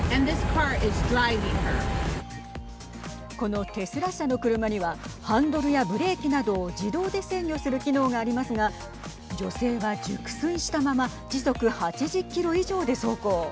このテスラ社の車にはハンドルやブレーキなどを自動で制御する機能がありますが女性は熟睡したまま時速８０キロ以上で走行。